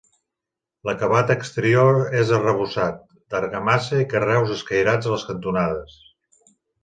L'acabat exterior és arrebossat d'argamassa i carreus escairats a les cantonades.